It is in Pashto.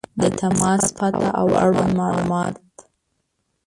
• د تماس پته او اړوند معلومات